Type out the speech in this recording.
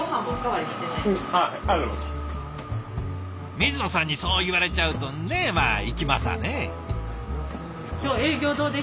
水野さんにそう言われちゃうとねえまあいきますわね。